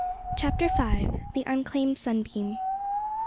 CHAPTER V. THE UNCLAIMED SUNBEAM.